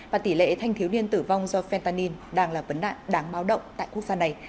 và tỷ lệ thanh thiếu niên tử vong do phentamin đang là vấn nạn đáng báo động tại quốc gia này